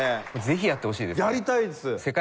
ぜひやってほしいですね。